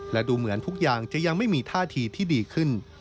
และดูเหมือนทุกอย่างจะยังไม่มีท่าทีที่ดีขึ้น